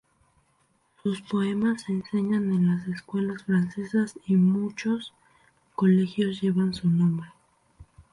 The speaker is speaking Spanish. Sus poemas se enseñan en las escuelas francesas y muchos colegios llevan su nombre.